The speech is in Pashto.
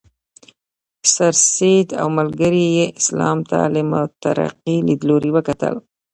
سرسید او ملګرو یې اسلام ته له مترقي لیدلوري وکتل.